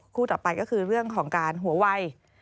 ๔๙คู่ต่อไปก็คือเรื่องของการหัวไว